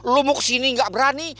lo mau kesini nggak berani